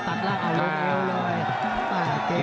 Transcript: ตัดล่างเอาลงเร็วเลย